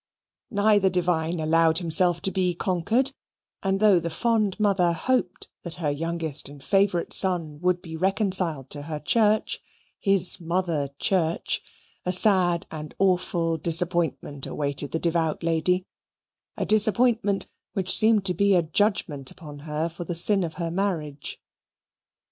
Neither divine allowed himself to be conquered, and though the fond mother hoped that her youngest and favourite son would be reconciled to her church his mother church a sad and awful disappointment awaited the devout lady a disappointment which seemed to be a judgement upon her for the sin of her marriage.